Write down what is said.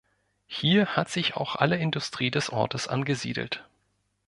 Hier hat sich auch alle Industrie des Ortes angesiedelt.